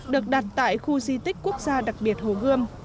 được đặt tại khu di tích quốc gia đặc biệt hồ gươm